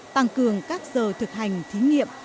tăng cường các giờ thực hành thí nghiệm